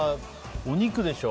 お肉でしょ。